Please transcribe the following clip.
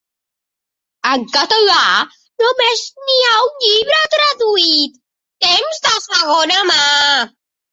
En català només n’hi ha un llibre traduït, Temps de segona mà.